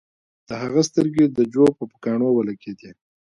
د هغه سترګې د جو په پوکاڼو ولګیدې